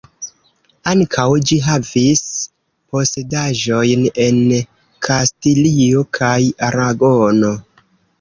Ankaŭ ĝi havis posedaĵojn en Kastilio kaj Aragono.